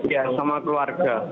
iya bersama keluarga